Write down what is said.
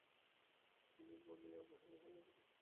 বলিয়া বাহির হইয়া গেলেন।